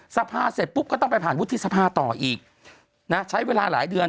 สภาเสร็จปุ๊บก็ต้องไปผ่านวุฒิสภาต่ออีกนะใช้เวลาหลายเดือน